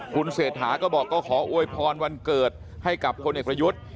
คุณเศรษฐาก็บอกก็ขออวยพรวันเกิดให้กับคนเอกประยุทธ์